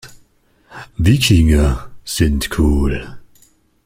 Wikinger sind cool.